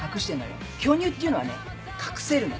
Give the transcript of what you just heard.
巨乳っていうのはね隠せるの。